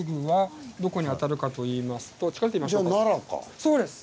そうです！